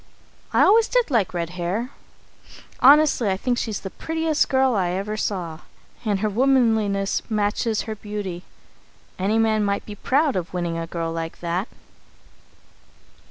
I always did like red hair. Honestly, I think she's the prettiest girl I ever saw. And her womanliness matches her beauty. Any man might be proud of winning a girl like that.